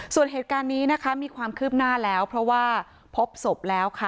ส่วนเหตุการณ์นี้นะคะมีความคืบหน้าแล้วเพราะว่าพบศพแล้วค่ะ